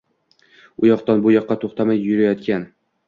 U yoqdan-bu yoqqa to‘xtamay yurayotgan